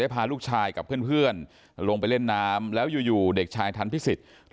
ได้พาลูกชายกับเพื่อนเพื่อนลงไปเล่นน้ำแล้วอยู่อยู่เด็กชายธรรพิสิตธรรม